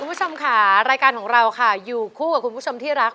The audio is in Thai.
คุณผู้ชมค่ะรายการของเราค่ะอยู่คู่กับคุณผู้ชมที่รัก